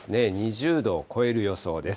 ２０度を超える予想です。